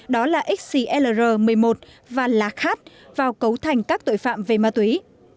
đó là xclr một mươi một và lakhat vào cấu thành các tội phạm về ma túy